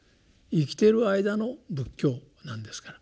生きてる間の仏教なんですから。